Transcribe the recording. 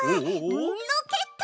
ロケット！